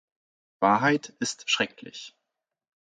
Wahrheit ist schrecklich.